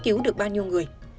cứu được bao nhiêu người